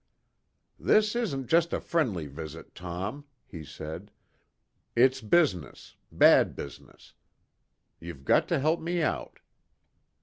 "This isn't just a friendly visit, Tom," he said. "It's business. Bad business. You've got to help me out."